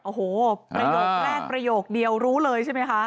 โอ้โหประโยคแรกประโยคเดียวรู้เลยใช่ไหมคะ